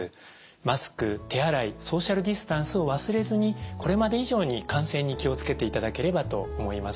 マスク手洗いソーシャルディスタンスを忘れずにこれまで以上に感染に気を付けていただければと思います。